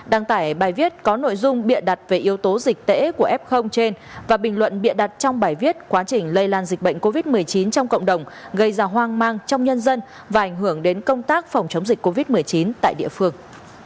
đăng tải bài viết có nội dung bịa đặt về yếu tố dịch tễ của f trên và bình luận bịa đặt trong bài viết quá trình lây lan dịch bệnh covid một mươi chín trong cộng đồng gây ra hoang mang trong nhân dân và ảnh hưởng đến công tác phòng chống dịch covid một mươi chín tại địa phương